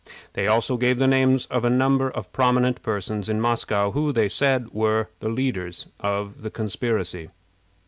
They also gave the names of a number of prominent persons in Moscow who, they said, were the leaders of the conspiracy.